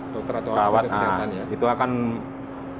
dokter atau atasan ya